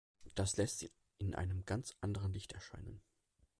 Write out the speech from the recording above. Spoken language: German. Das lässt sie in einem ganz anderem Licht erscheinen.